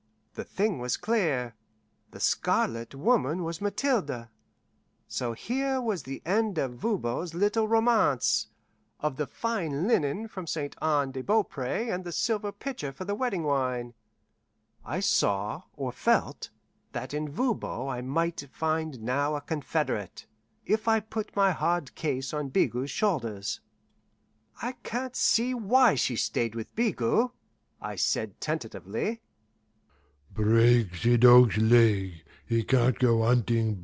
The thing was clear. The Scarlet Woman was Mathilde. So here was the end of Voban's little romance of the fine linen from Ste. Anne de Beaupre and the silver pitcher for the wedding wine. I saw, or felt, that in Voban I might find now a confederate, if I put my hard case on Bigot's shoulders. "I can't see why she stayed with Bigot," I said tentatively.